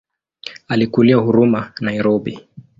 Alikulia Huruma Nairobi.